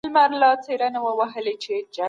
هغه خپل تېر فعالیتونه نه یادول.